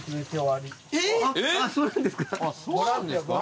あっそうなんですか？